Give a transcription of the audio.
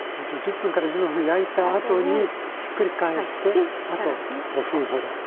１０分１５分焼いたあとにひっくり返してあと５分ほど。